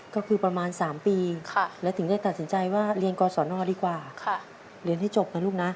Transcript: ก็คือประมาณ๓ปีและถึงได้ตัดสินใจว่าเรียนกศนดีกว่าเรียนให้จบนะลูกนะ